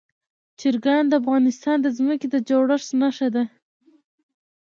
چرګان د افغانستان د ځمکې د جوړښت نښه ده.